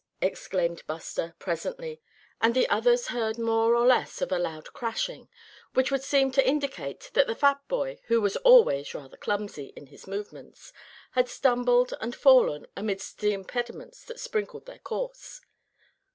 exclaimed Buster, presently, and the others heard more or less of a loud crashing, which would seem to indicate that the fat boy, who was always rather clumsy in his movements, had stumbled and fallen amidst the impediments that sprinkled their course.